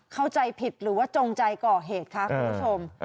เข้าใจผิดหรือว่าจงใจก่อเหตุคะคุณผู้ชม